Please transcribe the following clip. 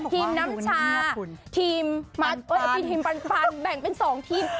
ทีมน้ำชาทีมปันแบ่งเป็น๒ทีม